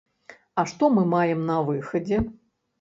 А што мы маем на выхадзе?